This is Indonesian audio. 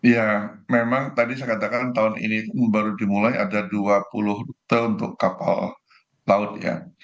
ya memang tadi saya katakan tahun ini baru dimulai ada dua puluh rute untuk kapal laut ya